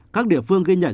các địa phương ghi nhận